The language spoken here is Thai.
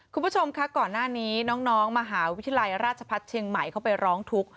คุณผู้ชมคะก่อนหน้านี้น้องมหาวิทยาลัยราชพัฒน์เชียงใหม่เข้าไปร้องทุกข์